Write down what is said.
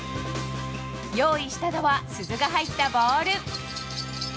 用意したのは鈴が入ったボール。